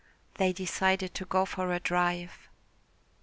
They decided to go for a drive.